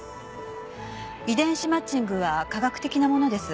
遺伝子マッチングは科学的なものです。